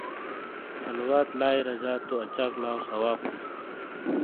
صلوات لائی رَجا تو اچاک لاؤ ثواب ہُوں۔